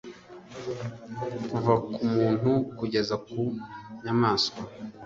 kuva ku muntu kugeza ku nyamaswa,